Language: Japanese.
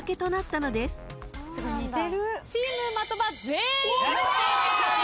チーム的場全員正解です！